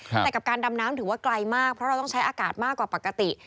แต่กับการดำน้ำถือว่าไกลมากเพราะเราต้องใช้อากาศมากกว่าปกติ